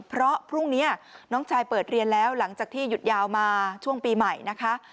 เพราะพรุ่งนี้น้องชายเปิดเรียนแล้วหลังจากที่หยุดยาวมาช่วงปีใหม่นะคะ